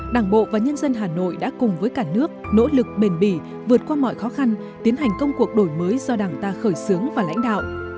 đảng bộ và nhân dân hà nội đã cùng với cả nước nỗ lực bền bỉ vượt qua mọi khó khăn tiến hành công cuộc đổi mới do đảng ta khởi xướng và lãnh đạo